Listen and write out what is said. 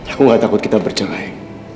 aku gak takut kita bercerai